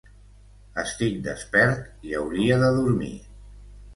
Estic despert i hauria de dormir